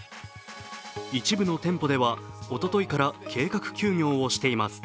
一部の店舗ではおとといから計画休業をしています。